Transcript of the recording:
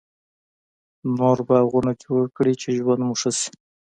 نوي باغوانه جوړ کړي چی ژوند مو ښه سي